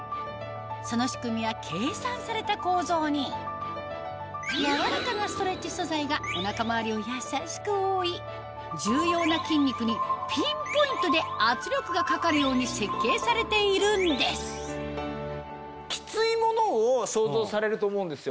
その仕組みは計算された構造に柔らかなストレッチ素材がお腹周りを優しく覆い重要な筋肉にピンポイントで圧力がかかるように設計されているんですきついものを想像されると思うんですよ。